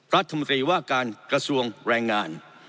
รัฐมนตรีว่าการกระทรวงแรงงาน